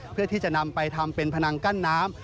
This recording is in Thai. เพื่อที่จะนำไปทำเป็นพนังกั้นน้ำ